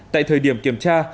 tại thời điểm kiểm tra